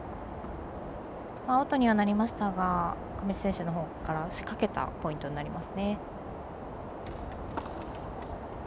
アウトにはなりましたが上地選手のほうから仕掛けたポイントになります。